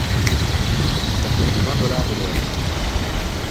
Ça coûte vingt dollars de l’heure.